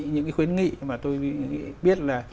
những cái khuyến nghị mà tôi biết là